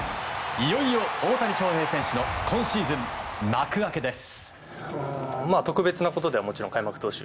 いよいよ大谷翔平選手の今シーズン幕開けです。